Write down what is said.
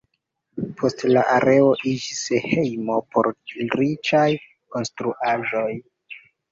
Poste la areo iĝis hejmo por riĉaj konstruaĵoj.